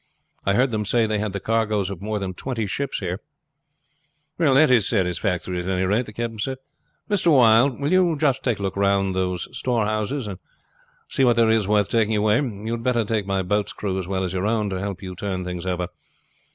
I heard them say they had the cargoes of more than twenty ships here." "That is satisfactory at any rate," the captain said. "Mr. Wylde, will you just take a look round these storehouses and see what there is worth taking away. You had better take my boat's crew as well as your own to help you to turn things over.